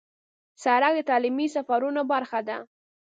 سړک د تعلیمي سفرونو برخه ده.